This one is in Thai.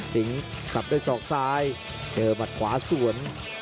สิงห์ขับด้วยศอกซ้ายเจอบัตรขวาส่วน